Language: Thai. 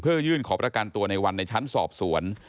เพื่อยื่นขอประกันตัวในวันในชั้นสอบสวน